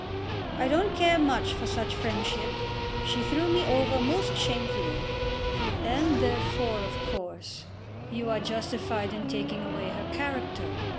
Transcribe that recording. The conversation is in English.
"I don't care much for such friendship. She threw me over most shamefully." "And therefore, of course, you are justified in taking away her character.